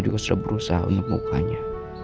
juga sudah berusaha untuk mukanya